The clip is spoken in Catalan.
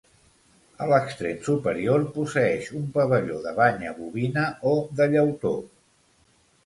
A l'extrem superior posseeix un pavelló de banya bovina o de llautó.